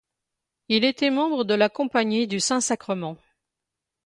Il était membre de la Compagnie du Saint-Sacrement.